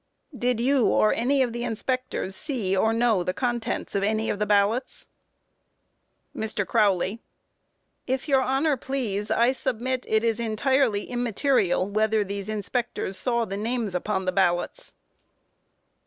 Q. Did you or any of the inspectors see or know the contents of any of the ballots? MR. CROWLEY: If your Honor please, I submit it is entirely immaterial whether these inspectors saw the names upon the ballots.